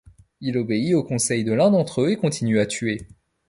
Il obéit aux conseils de l'un d'entre eux et continue à tuer.